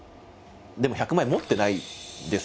でも１００万円持ってないんですよ。